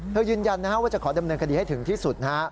ยืนยันว่าจะขอดำเนินคดีให้ถึงที่สุดนะฮะ